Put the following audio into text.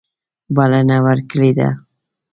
بلنه ورکړې ده.